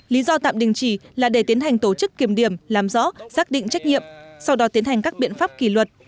lý do tạm đình chỉ là để tiến hành tổ chức kiểm điểm làm rõ xác định trách nhiệm sau đó tiến hành các biện pháp kỷ luật